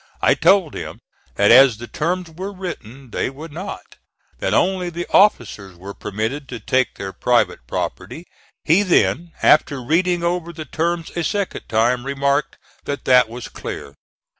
I told him that as the terms were written they would not; that only the officers were permitted to take their private property. He then, after reading over the terms a second time, remarked that that was clear.